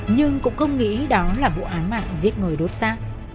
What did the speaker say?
nhưng cũng không nghĩ đó là vụ án mạng giết người đốt xác